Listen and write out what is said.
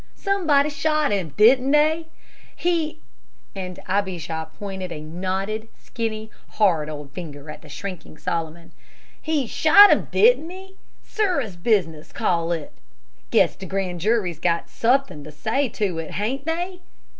Somebody shot him, didn't they? He" and Abijah pointed a knotted, skinny, hard old finger at the shrinking Solomon "he shot him, didn't he? Ser'us business, I call it. Guess the grand jury's got suthin' to say to it, hain't they?